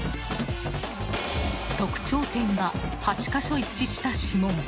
特徴点が８か所一致した指紋。